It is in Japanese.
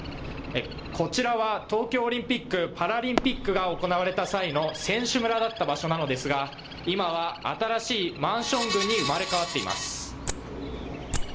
こちらは東京オリンピック・パラリンピックが行われた際の選手村だった場所なのですが今は新しいマンション群に生まれ変わっています。